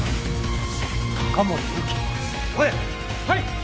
はい！